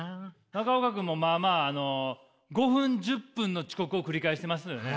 中岡君もまあまあ５分１０分の遅刻を繰り返してますよね？